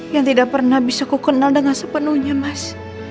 yang tidak pernah bisa ku kenal dengan sepenuhnya mas